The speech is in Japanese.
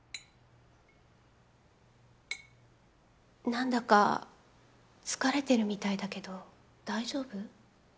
何だか疲れてるみたいだけど大丈夫？